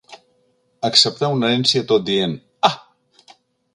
Acceptar una herència tot dient: ah!